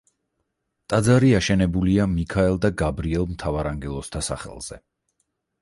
ტაძარი აშენებულია მიქაელ და გაბრიელ მთავარანგელოზთა სახელზე.